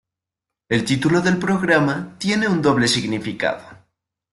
El título del programa tiene un doble significado.